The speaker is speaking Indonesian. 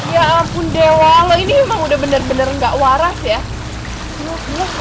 ya ampun dewa lo ini emang udah bener bener gak waras ya